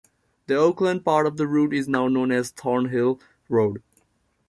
The Oakland part of the route is now known as Thornhill Road.